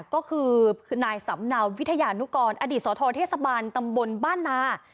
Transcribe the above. ก็คือนายสำเนาวิทยานุกรอดีตสทเทศบาลตำบลบ้านนา